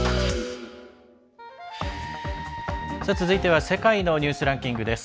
続いては「世界のニュースランキング」。